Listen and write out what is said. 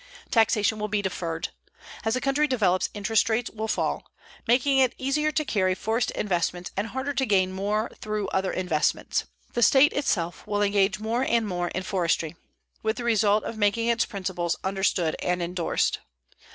Taxation will be deferred. As the country develops interest rates will fall; making it easier to carry forest investments and harder to gain more through other investments. The state itself will engage more and more in forestry, with the result of making its principles understood and endorsed.